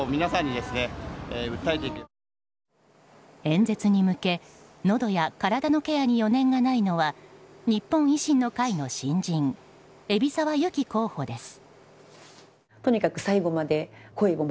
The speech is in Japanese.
演説に向けのどや体のケアに余念がないのは日本維新の会の新人海老沢由紀候補です。